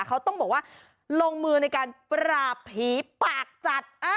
เขาต้องบอกว่าลงมือในการปราบผีปากจัด